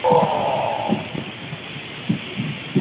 价电子同时亦决定该元素的电导率。